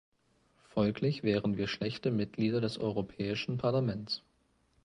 Folglich wären wir schlechte Mitglieder des Europäische Parlaments.